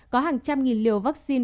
có hàng trăm nghìn liều vaccine